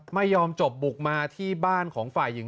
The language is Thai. ไม่ยอมจบบุกมาที่บ้านของฝ่ายหญิง